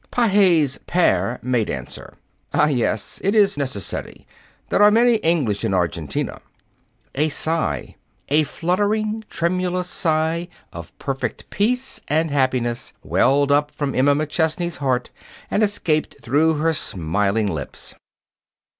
Pages pere made answer. "Ah, yes, it is necessary. There are many English in Argentina." A sigh a fluttering, tremulous sigh of perfect peace and happiness welled up from Emma McChesney's heart and escaped through her smiling lips.